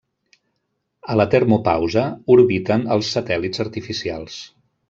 A la termopausa orbiten els satèl·lits artificials.